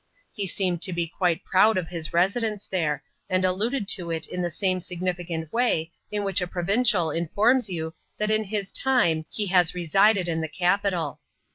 He seemed to be quite proud of his residence there,^ and alluded to it in the same significant way in which a provincial informs you that in his time he has resided * in the capital.